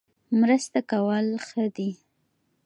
مرسته کول ښه دي